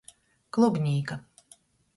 Klubnīka.